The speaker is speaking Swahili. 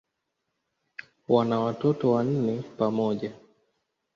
Wana watoto wanne pamoja.